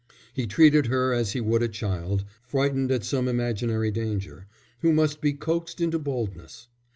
He treated her as he would a child, frightened at some imaginary danger, who must be coaxed into boldness.